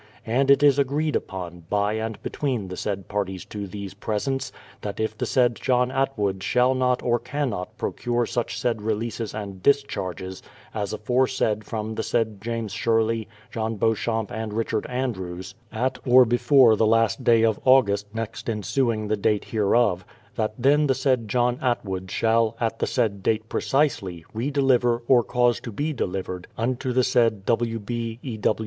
And it is agreed upon, by and between the said parties to these presents, that if the said John Atwood shall not or cannot procure such said releases and discharges as afore said from the said James Shcrley, John Beauchamp, and Richard Andrews, at or before the last day of August next ensuing the date hereof, that then the said John Atwood shall, at the said date precisely, redeliver, or cause to be delivered, unto the said W. B., E.